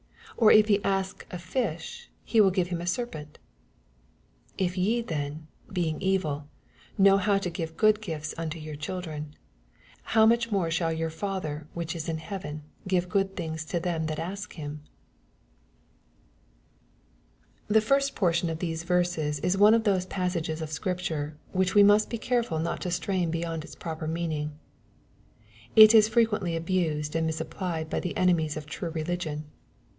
10 Or if he ask a fish, will he gift him a serpent ? 11 If ye then, beinjif eyil, know how to give good gins unto yonr ohildren, how maoh more shall yonr Father which is in heaven give good thioga to them that ask him t The first portion of these verses is one of those passages of Scripture^ which we must be careful not to strain beyond its proper meaning. It is frequently abused and misapplied, by the enemies of true religion.